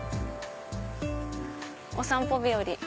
お散歩日和。